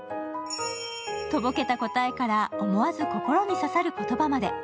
とぼけた答えから思わず心に刺さる言葉まで。